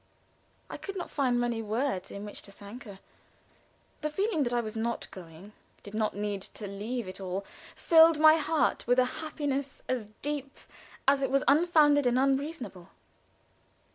I could not find many words in which to thank her. The feeling that I was not going, did not need to leave it all, filled my heart with a happiness as deep as it was unfounded and unreasonable.